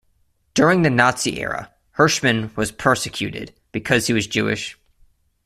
During the Nazi era, Herschmann was persecuted because he was Jewish.